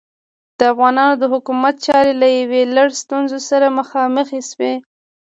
د افغانانو د حکومت چارې له یو لړ ستونزو سره مخامخې شوې.